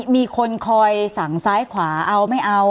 มีคนคอยสั่งซ้ายขวาเอาไม่เอา